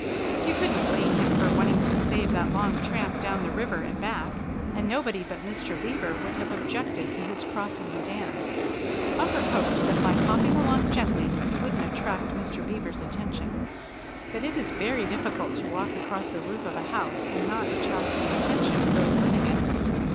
You couldn't blame him for wanting to save that long tramp down the river and back, and nobody but Mr. Beaver would have objected to his crossing the dam. Bumper hoped that by hopping along gently he wouldn't attract Mr. Beaver's attention. But it is very difficult to walk across the roof of a house and not attract the attention of those living in it.